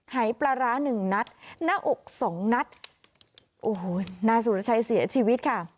หายปลาร้าหนึ่งนัดหน้าอกสองนัดโอ้โหนายสุรชัยเสียชีวิตค่ะ